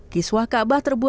kiswah kaabah yaitu